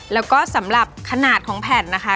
แล้วก็สำหรับขนาดของแผ่นนะคะ